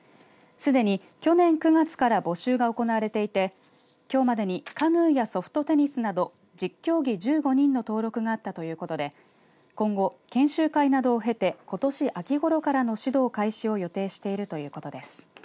すでに去年９月から募集が行われていてきょうまでにカヌーやソフトテニスなど１０競技１５人の登録があったということで今後、研修会などを経てことし秋ごろからの指導開始を予定しているということです。